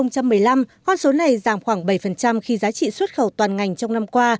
năm hai nghìn một mươi năm con số này giảm khoảng bảy khi giá trị xuất khẩu toàn ngành trong năm qua